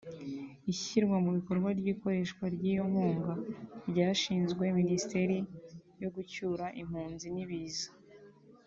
Ishyirwa mu bikorwa ry’ikoreshwa ry’iyo nkunga ryashinzwe Minisiteri yo gucyura impunzi n’ibiza